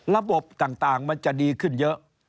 ระบบต่างมันจะดีขึ้นเยอะ